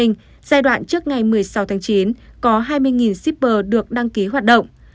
giai đoạn trước ngày một mươi sáu tháng chín có hai mươi shipper được đăng ký hoạt động